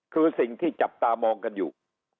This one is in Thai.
คือสิ่งที่จับตามองกันอยู่